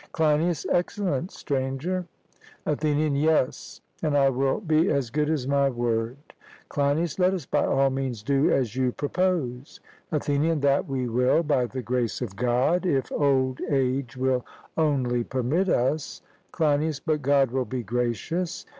CLEINIAS: Excellent, Stranger. ATHENIAN: Yes; and I will be as good as my word. CLEINIAS: Let us by all means do as you propose. ATHENIAN: That we will, by the grace of God, if old age will only permit us. CLEINIAS: But God will be gracious.